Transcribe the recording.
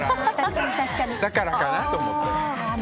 だからかなと思って。